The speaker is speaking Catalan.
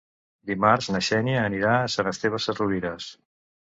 Dimarts na Xènia anirà a Sant Esteve Sesrovires.